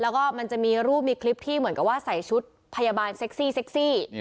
ก็มันจะมีคลิปที่ใส่ชุดพยาบาลเซ็กซี่เซ็กซี่